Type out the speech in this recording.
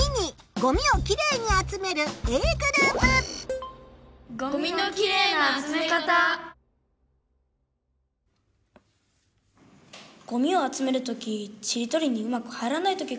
「ごみを集めるときちりとりにうまく入らないときがあるよね。